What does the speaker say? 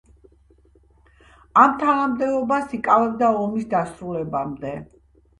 ამ თანამდებობას იკავებდა ომის დასრულებამდე.